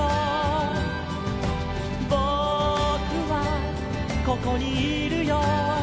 「ぼくはここにいるよ」